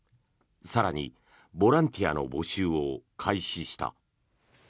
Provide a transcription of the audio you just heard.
更にボランティアの募集を開始した。